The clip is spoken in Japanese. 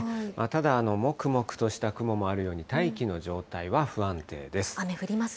ただ、もくもくとした雲もあるように、大気の状態は不安定です。